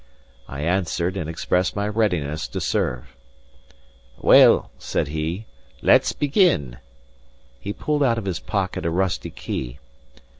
I answered, and expressed my readiness to serve. "Well," he said, "let's begin." He pulled out of his pocket a rusty key.